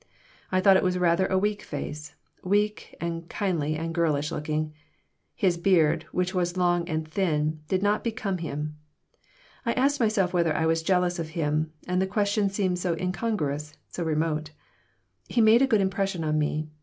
I thought it was rather a weak face weak and kindly and girlish looking. His beard, which was long and thin, did not become him. I asked myself whether I was jealous of him, and the question seemed so incongruous, so remote. He made a good impression on me.